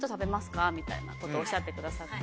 みたいなことをおっしゃってくださって。